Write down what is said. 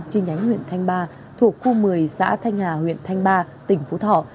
chi nhánh huyện thanh ba thuộc khu một mươi xã thanh hà huyện thanh ba tỉnh phú thọ